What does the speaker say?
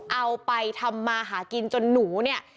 เอาไปทำมาหากินจนหนูเนี่ย